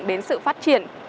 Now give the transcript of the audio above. đến sự phát triển